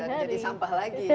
itu jadi sampah lagi